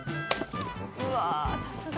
うわさすが。